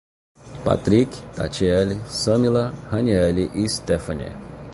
Patric, Tatiele, Samila, Raniele e Stephanie